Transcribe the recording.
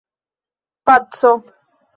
paco